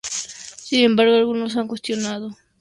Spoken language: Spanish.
Sin embargo, algunos han cuestionado la necesidad de la campaña.